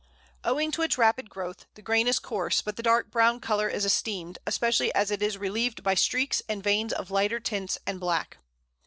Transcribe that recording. Owing to its rapid growth, the grain is coarse, but the dark brown colour is esteemed, especially as it is relieved by streaks and veins of lighter tints and black.